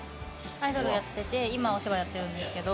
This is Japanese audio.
アイドルやってて今はお芝居やってるんですけど。